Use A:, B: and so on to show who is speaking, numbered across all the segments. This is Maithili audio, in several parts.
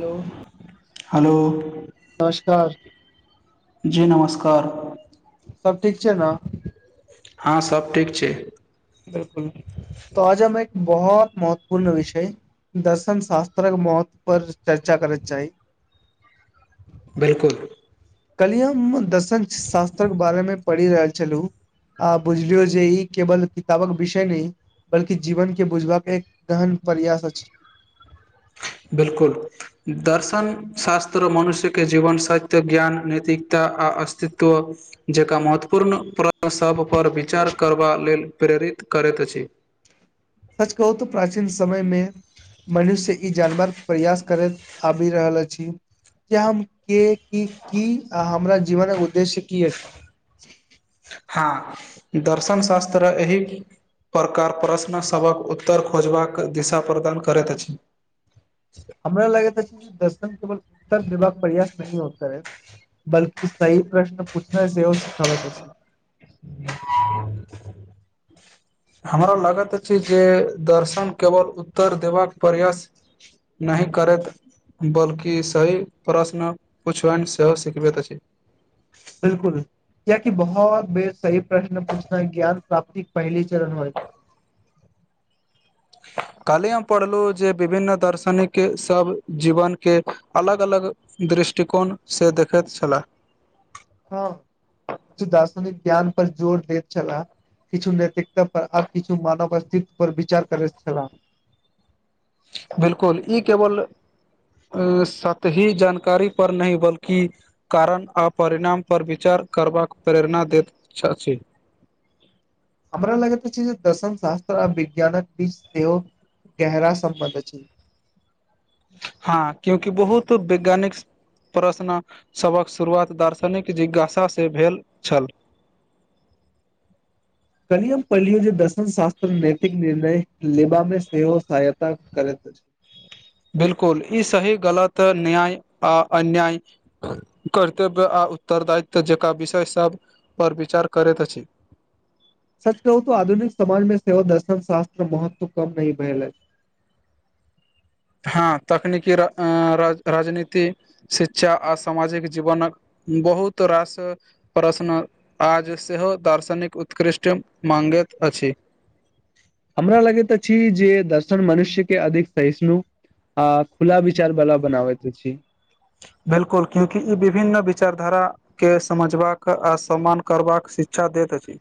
A: हेलो
B: हेलो
A: नमस्कार
B: जी नमस्कार
A: सब ठीक छै ने
B: हँ सब ठीक छै
A: बिलकुल त आज हम एक बहोत महत्वपूर्ण विषय दर्शन शास्त्रक मोहत्व पर चर्चा करय चाही
B: बिलकुल
A: कलहि हम दर्शन शास्त्रक बारे मे पढ़ि रहल छलहुँ आ बुझलियौ जे ई केवल किताबक विषय नै बल्कि जीवन के बुझबा के एक गहन प्रयास अछि
B: बिलकुल दर्शन शास्त्र मनुष्यके जीवन साहित्य ज्ञान नैतिकता आ अस्तित्व जकरा महत्वपूर्ण प्रसभपर विचार करबा लेल प्रेरित करैत अछि
A: सच कहू त प्राचीन समय मे मनुष्य ई जानबाक प्रयास करैत आब ि रहल अछि कि हम के की की हमरा जीवन उद्देश्य की अछि
B: हा दर्शन शास्त्र एहिक प्रकार प्रश्नसभक उत्तर खोजबाक दिशा प्रदान करैत अछि
A: हमरा लागैत छै दर्शन केवल उत्तर देबाक प्रयास नही होत रहै बल्कि सही प्रश्न पूछनै सेहो सिखाबैत अछि
B: हमरा लागैत अछि जे दर्शन केवल उत्तर देबाक प्रयास नहि करैत बल्कि सही प्रश्न पुछबैमे सेहो सिखबैत अछि
A: बिलकुल कायाकि बहुत बे सही प्रश्न पूछना ह ज्ञान प्राप्तिक पहल चरण हो
B: कालही हम पढ़लहु जे विभिन्न दार्शनिक सब जीवन के अलग अलग दृष्टिकोणसँ देखैत छलाह
A: हँ किए दार्शनिक ज्ञान पर जोर दैत छलाह किछु नैतिकता पर आर किछु मानव अस्तित्व पर विचार करैत छलाह
B: बिलकुल ई केवल अ सतही जानकारी पर नहि बल्कि कारण आ परिणामपर विचार करबाक प्रेरणा दैत अछि
A: हमरा लगैत अछि जे दर्शन शास्त्र आ विज्ञानक बीच सेहो गहरा सम्बन्ध छै
B: हँ क्यंकि बहुत वैज्ञानिक प्रश्नसभक शुरुआत दार्शनिक जिज्ञासँ भेल छल
A: कलियम पलियो जे दर्शन शास्त्र नैतिक निर्णय लेबा मे सेहो सहायता करैत अछि
B: बिलकुल ई सही गलत न्याय आ अन्याय कर्तव्य आ उत्तरदायित्व जेकरा विषय सभ पर विचार करैत अछि
A: सच कहू तऽ आधुनिक समाज में सेवा दर्शन शास्त्र महत्व कम नी भेललै
B: हँ तकनीकी राज राजनीति शिक्षा आ सामाजिक जीवनक बहुत रास प्रश्न आज सेहो दार्शनिक उत्कृष्ट माँगैत अछि
A: हमरा लगैत छी जे दर्शन मनुष्य के अधिक सहिष्णु ह खुला विचार बला बनाबैत रह छी
B: बिलकुल क्यंकि ई विभिन्न विचारधारा के समझबाक आ सम्मान करबाक शिक्षा दैत अछि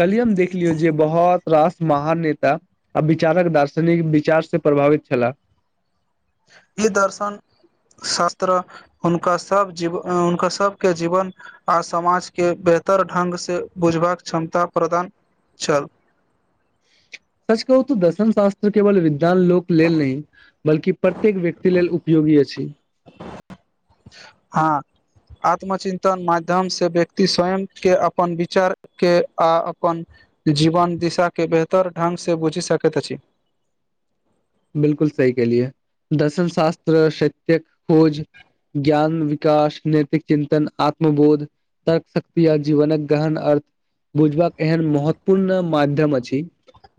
A: कलियम देख लियौ जे बहुत रास महान नेता आ विचारक दार्शनिक विचार से प्रभावित छलाह
B: ई दर्शन शास्त्र हुनका सब जीवन हुनका सबके जीवन आ समाज के बेहतर ढ्ंग से बुझबाक क्षमता प्रदान छल
A: सच कहू त दर्शनशास्त्र केवल विद्वान लोक लेल नहि बलकि प्रत्येक व्यक्ति लेल उपयोगी अछि
B: हँ आत्मचिन्तन माध्यम से व्यक्त स्वयं के अपन विचार के आ अपन जीवन दिशा के बेहतर ढ्ंगसँ बुझि सकैत अछि
A: बिलकुल सही कलियए दर्शन शास्त्र शैत्यक खोज ज्ञान विकास नैतिक चिन्तन आत्मबोध तर्क शक्ति य जीवनक ग्रहण अर्थ बुझबाक एहन महत्व पूर्ण माध्यम अछि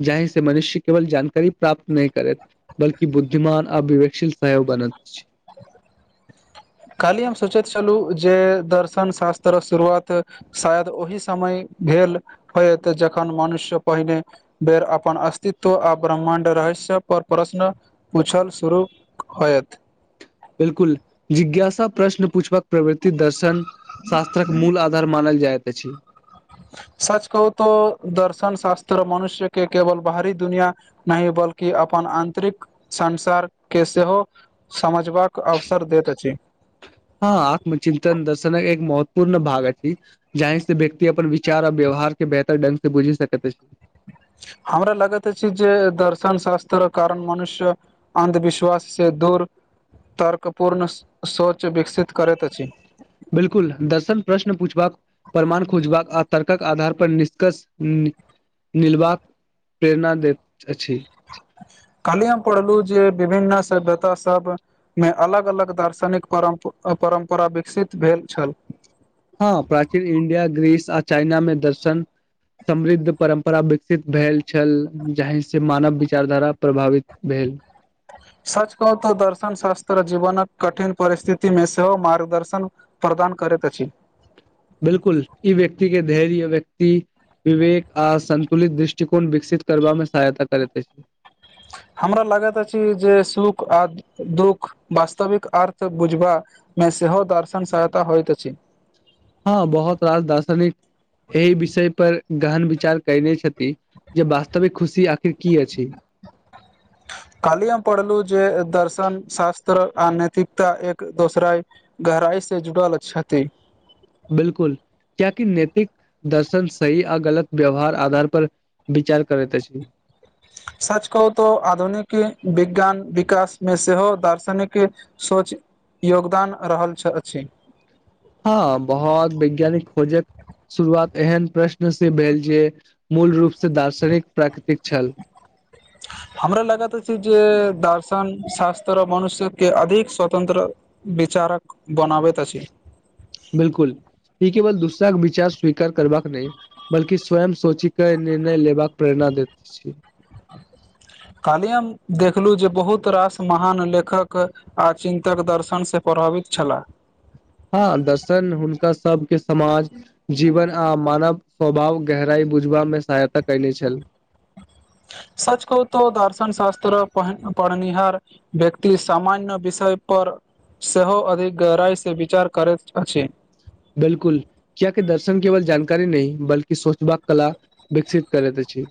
A: जाहि से मनुष्य केवल जानकारी प्राप्त नहि करैत बल्कि बुद्धिमान अ विवेकशील सहयो बनैत छै
B: कालहि हम सोचैत छलहुँ जे दर्शन शास्त्रक शुरुआत शायद ओहि समय भेल होयत जखन मनुष्य पहिने बेर अपन अस्तित्व आ ब्रह्मण्ड रहस्य पर प्रश्न पुछल शुरू होयत
A: बिलकुल जिज्ञासा प्रश्न पूछबक प्रवृति दर्शन शास्त्रक मूल आधार मानल जाइत अछि
B: सच कहू तऽ दर्शन शास्त्र मनुष्य के केवल बाहरी दुनिया नाहि बल्कि अपन आन्तरिक संसार के सेहो समझबाक अवसर दैत अछि
A: हँ आत्मचितन दर्शनक एक महत्वपूर्ण भाग अछि जहि से व्यक्ति अपन विचार आ व्यवहार के बेहतर ढंग से बुझि सकैत अछि
B: हमरा लागैत अछि जे दर्शन शास्त्र कारण मनुष्य अन्धविश्वास से दूर तर्क पूर्ण सोच विकसित करैत अछि
A: बिलकुल दर्शन प्रश्न पूछबाक प्रमाण खोजबाक आ तर्कक आधार पर निष्कर्ष निलबाक प्रेरणा दैत अछि
B: कल्ही हम पढ़लू जे विभिन्न सभ्यता सब मे अलग अलग दार्शनिक परम परम्परा विकसित भेल छल
A: हँ प्राचीन इंडिया ग्रीस आ चाइना मे दर्शन समृद्ध परम्परा विकसित भेल छल जाहिसे मानव विचारधारा प्रभावित भेल
B: सच कहू तऽ दर्शन शास्त्र जीवनक कठिन परिस्थिति मे सेहो मार्गदर्शन प्रदान करैत अछि
A: बिलकुल ई व्यक्ति के धैर्य व्यक्ति विवेक आ सन्तुलित दृष्टिकोण विकसित करबा मे सहायता करैत अछि
B: हमरा लागत अछि जे सुख आ दुःख वास्तविक अर्थ बुझबा मे सेहो दर्शन सहायता होइत अछि
A: हँ बहुत रास दार्शनिक एहि विषय पर गहन विचार कयने छथि जे वास्तविक खुशी आखिर की अछि
B: काल्ही हम पढ़लु जे दर्शन शास्त्र आ नैतिकता एक दोसराय गहराइ से जुड़ल छती
A: बिलकुल कियाकि नैतिक दर्शन सही आ गलत व्यवहार आधार पर विचार करैत अछि
B: सच कहू तोऽ आधुनिक विज्ञान विकास मे सेहो दार्शनिक सोच योगदान रहल छ अछि
A: हँ बहुत वैज्ञानिक खोजे शुरुआत एहन प्रश्न से भेल जे मूल रूप से दार्शनिक प्राकृतिक छल
B: हमरा लागत अछि जे दर्शन शास्त्र मनुष्यके अधिक स्वतन्त्र विचारक बनाबैत अछि
A: बिलकुल ई केवल दूसराक विचार स्वीकार करबाक रैह बल्कि स्वयं सोची के निर्णय लेबाक प्रेरणा देैत अछि
B: कल्ही हम देखलहु जे बहुत रास महान लेखक आ चिन्तक दर्शनसे प्रभावित छलाह
A: हँ दर्शन हुनका सबके समाज जीवन आ मानव स्वभाव गहराई बुझबा मे सहायता कयने छल
B: सच कहू तऽ दर्शन शास्त्र प पढ़निहार व्यक्ति सामान्य विषय पर सेहो अधिक गहराइस विचार करैत अछि
A: बिलकुल कियाकि दर्शन केवल जानकारी नहि बलकि सोचबाक कला विकसित करैत अछि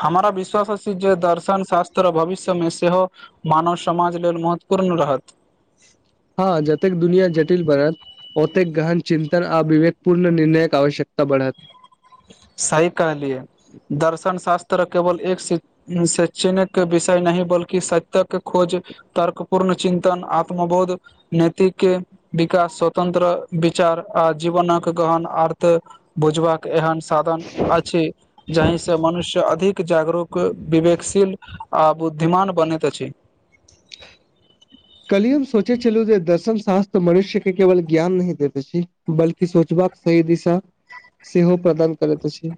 B: हमारा विश्वास अछि जे दर्शन शास्त्र भविष्य मे सेहो मानव समाज लेल महत्वपूर्ण रहत
A: हँ जतेक दुनिया जटिल बनत ओतेक गहन चिन्तन आ विवेक पूर्ण निर्णयक आवश्यकता बढ़त
B: सही कहलियै दर्शन शास्त्र केवल एक शी शैक्षणिक विषय नहि बल्कि सतक खोज तर्क पूर्ण चिन्तन आत्मबोध नैतिके विकास स्वतंत्र विचार आ जीवनक गहन आर्त बुझबाक एहन साधन अछि जाहिसँ मनुष्य अधिक जागरूक विवेकशील आ बुद्धिमान बनैत अछि
A: कलियुग सोचै छलू जे दर्शम शास्त्र मनुष्य के केवल ज्ञान नहि दैत अछि बल्कि सोचबाक सही दिशा सेहो प्रदान करैत अछि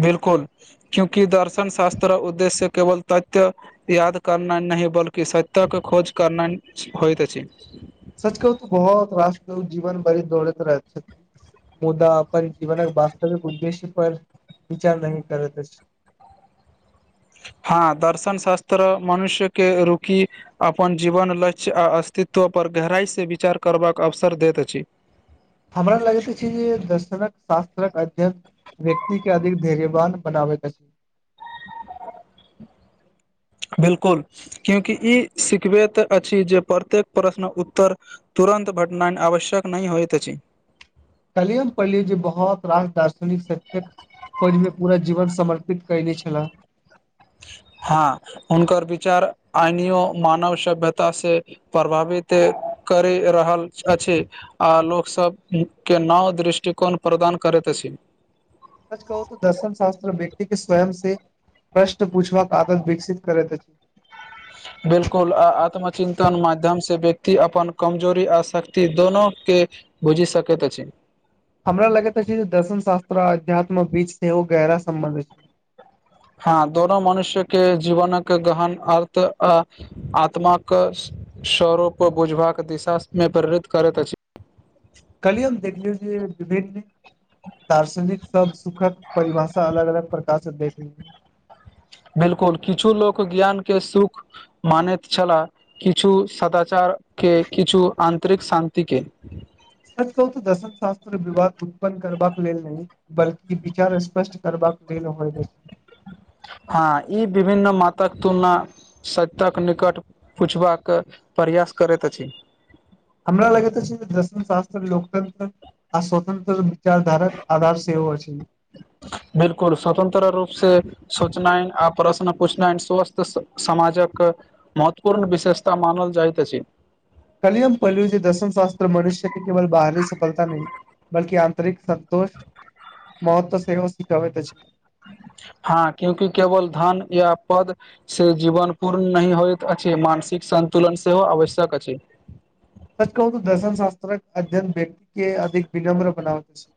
B: बिल्कुल क्यंकि दर्शनशास्त्र उद्देश्य केवल तथ्य याद करनाय नहि बल्कि कि सत्याक खोज करना होइत अछि
A: सच कहू तऽ बहुत रास लोक जीवन भरी दौड़ैत रहैत छै। मुद्दा अपन जीवनक वास्तविक उद्देश्य पर विचार नहि करैत अछि।
B: हँ दर्शन शस्त्र मनुष्य के रुकि। अपन जीवन लक्ष्य आ अस्तित्वपर गहराइसँ विचार करबाक अवसर दैत अछि।
A: हमरा लगैते अछि जे दर्शनक शास्त्रक अध्ययक। व्यक्ति के अधिक धैर्यवान बनाबैत अछि।
B: बिल्कुल क्यूंकि ई सिखबैत अछि जे प्रत्येक प्रश्नक उत्तर। तुरन्त भेटनाइ आवश्यक नहि होइत अछि।
A: कलियुग पढ़लिय जे बहुत रास दार्शनिक शक्ति। खोज मे पूरा जीवन समर्पित कयने छला।
B: हँ हुनकर विचार आइनियु मानव सभ्यता से। परभावित करि रहल अछि। आ लोकसभ के नाव दृष्टिकोण प्रदान करैत अछि।
A: सच कहू त दर्शन शास्त्र व्यक्ति के स्वयं से प्रश्न पूछबाक। आदत विकसित करैत अछि।
B: बिल्कुल आ आत्मचिन्तन माध्यम से व्यक्ति अपन कमजोरी आर शक्ति दोनो के। बुझि सकेत अछि।
A: हमरा लगैत अछि जे दर्शन शास्त्र अध्यात्मक बीच सेहो गहरा सम्बंध एछै।
B: हँ दोनो मनुष्य के जीवनक गहन अर्थ आ आत्माकस। स्वरूप बुझबाक दिशामे प्रेरित करैत अछि।
A: कली हम देखलिय विभिन्न। [unintelligible] दार्शनिक सब सुखद परिभाषा अलग अलग प्रकार स देखलै।
B: बिल्कुल किछु लोक ज्ञान के सुख मानैत छलाह। किछु सदाचार के किछु आन्तरिक शान्ति के।
A: सच कहू त दशर्न शास्त्र विवाद उत्पन्न करबाक लेल नै। बल्कि विचार स्पष्ट करबाक लेल होइ अछि।
B: हँ ई विभन्न मातक तुलना। सटक निकट पुछबाक प्रयास करैत अछि।
A: हमरा लगैत अछि जे दर्शन शास्त्र लोकतन्त्र। आ स्वतंत्र विचारधारक आधार सेहो अछि।
B: बिल्कुल स्वतंत्र रूप से। सोचनाइ आ प्रश्न पूछनाई स्वस्थ समाजक। महत्वपूर्ण विशेषता मानल जाइत अछि।
A: कल्ही हम पढ़लु जे दर्शन शास्त्र मनुष्यके केवल बाहरी सफलता नहि। बल्कि आंतरिक संतोष महत्व सेहो सिखाबैत अछि।
B: हां क्यूंकि केवल धन या पद। से जीवन पूर्ण नहि होइत अछि मानसिक संन्तुलन सेहो आवश्यक अछि।
A: सच कहु त दर्शन शास्त्रक अध्ययन व्यक्ति के अधिक विनम्र बनावत छै।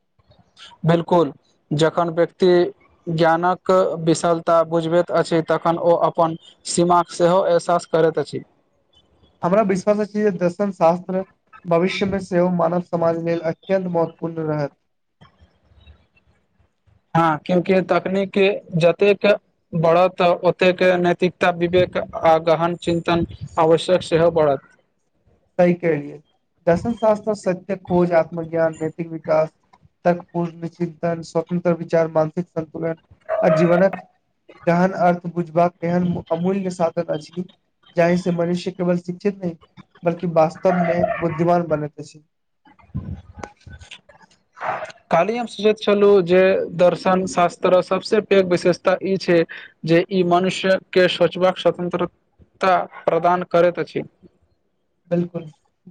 B: बिलकुल जखन व्यक्ति। ज्ञानक विशलता बुझबैत अछि तखन ओ अपन। सीमाक सेहो एहसास करैत अछि।
A: हमरा विश्वास अछि जे दर्शन शास्त्र। भविष्य मे सेहो मानव समाज लेल अत्यन्त महत्वपूर्ण रहत्त
B: हँ क्यूकि तकनीक जतेक। बढ़त आ ओते के नैतिकता विवेक आ गहन चिन्तन आवश्यक सेहो बढ़त।
A: सही कहेलियै दर्शन शास्त्र सत्य खोज आत्म ज्ञान नैतिक विकास। तर्क पूर्ण चिंतन स्वतन्त्र विचार मानसिक सन्तुलन आ जीवनक। दहन अर्थ बुझबाक एहन अमूल्य साधन अछि। जहि से मनुष्य केवल शिक्षित नहि बल्कि वास्तव मे बुद्धिमान बनेत अछि
B: ह। [unintelligible]
A: [inaudible]
B: कालहि हम सोचैत छलहुँ जे दर्शन शास्त्र सभसँ पैघ विशेषता ई छै जे ई मनुष्यके सोचबाक स्वतंत्रता प्रदान करैत अछि
A: बिलकुल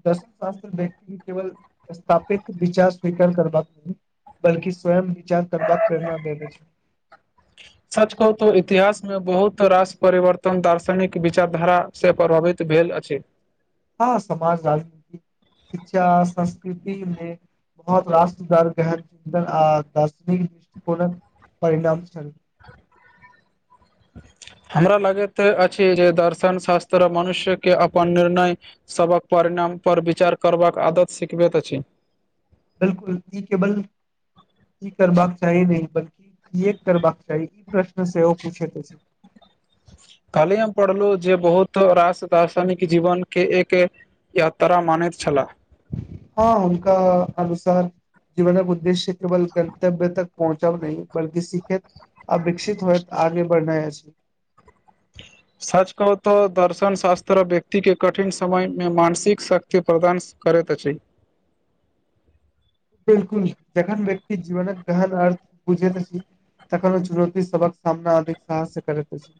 A: दर्शन शास्त्र व्यक्ति केवल स्थापित विचार स्वीकार करबाक नहि बल्कि स्वयं विचार करबाक प्रेरणा देेत अछि
B: सच कहू त इतिहास में बहुत रास परिवर्तन दार्शनिक विचार धारा से प्रभावित भेल अछि
A: हँ समाज साल शिक्षा संस्कृतिमे बहोत राष्ट्र दर के आ दार्शनिक दृष्टिकोणक परिणाम छै [inaudible]
B: हमरा लागित अछि जे दर्शन शास्त्र मनुष्य के अपन निर्णय सबक परिणाम पर विचार करबाक आदत सिखबैत अछि
A: बिलकुल ई केवल ई करबाक चाही नहि बल्कि कि करबाक चाही प्रश्न सेहो पूछैत अछि
B: कहलिय पढ़लहु जे बहोत रास दार्शनिक जीवन के एक यात्रा मानैत छलाह
A: हँ हुनका अनुसार जीवनक उद्देश्य केवल गन्तव्य तक पहुँचब नहि बल्कि सीखे आ विकसित होइत आगे बढ़नाय अछि
B: सच कहू त दर्शन शास्त्र व्यक्ति के कठिन समय मे मानसिक शक्ति प्रदान करैत अछि
A: बिलकुल जखन व्यक्तिक जीवनक गहन अर्थ बुझैत अछि तखन ओ चुनौती सबहक सामना अधिक साहस से करैत अछि।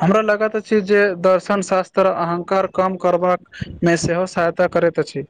B: हमरा लागैत अछि जे दर्शन शास्त्र अहंकार कम करबाक मे सेहो साथ तऽ करैत अछि।